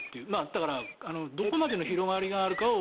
だからどこまでの広がりがあるかを